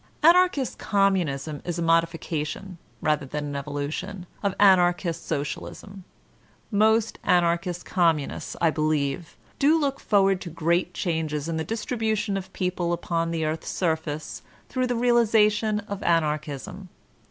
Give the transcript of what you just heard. Anarchist Communism is a modification, rather an evolution, of Anarchist Socialism. Most Anarchist Com I06 VOLTAIRINE DB ClEYRE munists. I believe, do look forward to great changes in the distribution of people upon the earth's surface through the realization of Anarchbm.